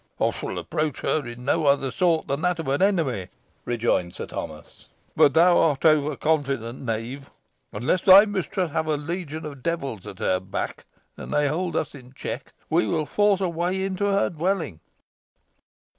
"I shall approach her in no other sort than that of an enemy," rejoined Sir Thomas; "but thou art over confident, knave. Unless thy mistress have a legion of devils at her back, and they hold us in check, we will force a way into her dwelling.